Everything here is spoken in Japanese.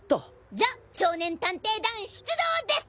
じゃあ少年探偵団出動です！